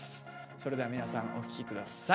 それでは皆さんお聴き下さい。